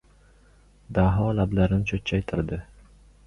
Daho lablarini cho‘chchaytirdi.